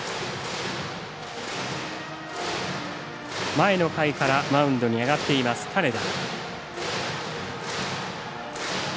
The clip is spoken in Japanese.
前の回からマウンドに上がっています、金田。